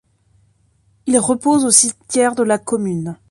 Il repose au cimetière de la commune.